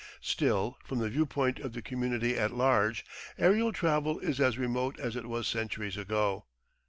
Still, from the view point of the community at large aerial travel is as remote as it was centuries ago.